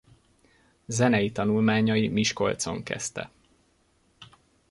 Zenei tanulmányai Miskolcon kezdte.